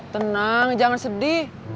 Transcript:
tenang jangan sedih